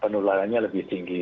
penularannya lebih tinggi